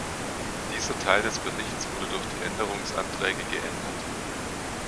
Dieser Teil des Berichts wurde durch die Änderungsanträge geändert.